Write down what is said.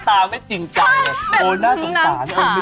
แต่อาจจะตีความลึกไป